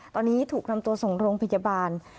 ตอนนี้ถูกนำตัวส่งโรงพยาบาล